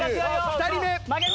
２人目。